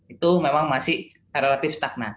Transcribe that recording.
itu memang masih relatif stagnan